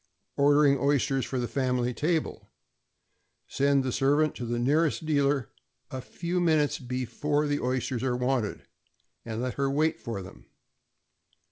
=Ordering Oysters for the Family Table.= Send the servant to the nearest dealer, a few minutes before the oysters are wanted, and let her wait for them.